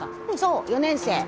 うんそう４年生。